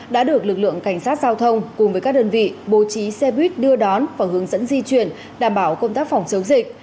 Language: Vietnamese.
đã được lực lượng cảnh sát giao thông cùng với các đơn vị bố trí xe buýt đưa đón và hướng dẫn di chuyển đảm bảo công tác phòng chống dịch